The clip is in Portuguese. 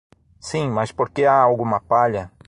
Sim, mas por que há alguma palha?